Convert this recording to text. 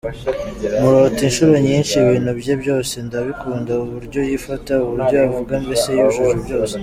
Murota inshuro nyinshi, ibintu bye byose ndabikunda, uburyo yifata, uburyo avuga mbese yujuje byose”.